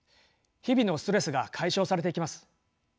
日々のストレスが解消されていきます。